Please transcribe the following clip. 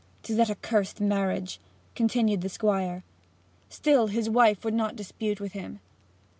''Tis that accursed marriage!' continued the Squire. Still his wife would not dispute with him.